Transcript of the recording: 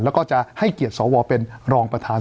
แล้วก็จะให้เกียรติสวเป็นรองประธาน